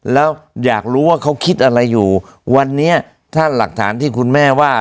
แล้วอยากรู้ว่าเขาคิดอะไรอยู่วันนี้ถ้าหลักฐานที่คุณแม่ว่า